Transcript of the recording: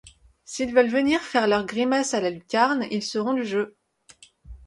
S’ils veulent venir faire leur grimace à la lucarne, ils seront du jeu.